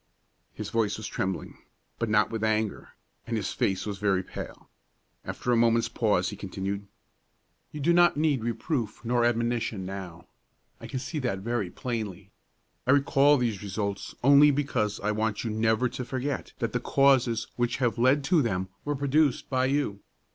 His voice was trembling, but not with anger, and his face was very pale. After a moment's pause, he continued, "You do not need reproof nor admonition now; I can see that very plainly. I recall these results only because I want you never to forget that the causes which have led to them were produced by you.